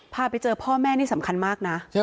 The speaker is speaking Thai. พาไปเจอพ่อแม่นี่สำคัญมากนะ